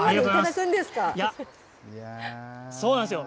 そうなんですよ。